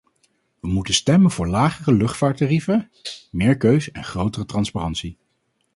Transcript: We moeten stemmen vóór lagere luchtvaarttarieven, meer keus en grotere transparantie.